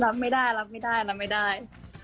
รับไม่ได้รับไม่ได้รับไม่ได้